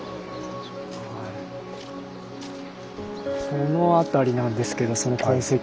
この辺りなんですけどその痕跡。